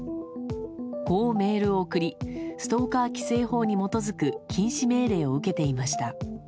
こうメールを送りストーカー規制法に基づく禁止命令を受けていました。